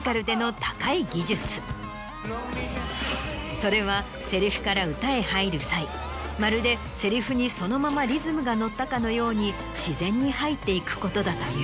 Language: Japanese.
それはセリフから歌へ入る際まるでセリフにそのままリズムが乗ったかのように自然に入っていくことだという。